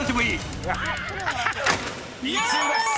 ［１位です。